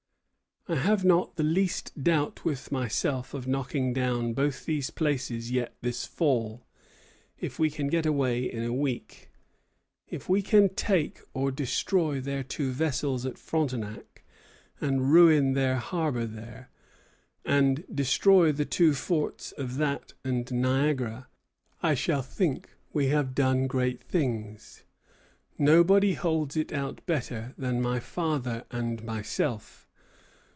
I have not the least doubt with myself of knocking down both these places yet this fall, if we can get away in a week. If we take or destroy their two vessels at Frontenac, and ruin their harbor there, and destroy the two forts of that and Niagara, I shall think we have done great things. Nobody holds it out better than my father and myself.